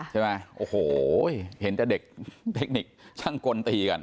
ใช่ไหมโอ้โหเห็นแต่เด็กเทคนิคช่างกลตีกัน